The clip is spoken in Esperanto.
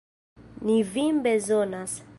Ni vin bezonas!